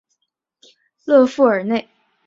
勒富尔内。